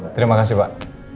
terima kasih pak